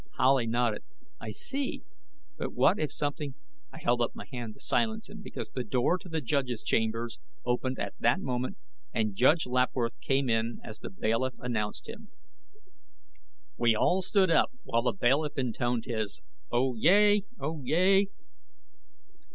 Howley nodded. "I see. But what if something " I held up my hand to silence him, because the door to the judges' chambers opened at that moment, and Judge Lapworth came in as the bailiff announced him. We all stood up while the bailiff intoned his "Oyez, oyez."